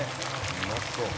「うまそう」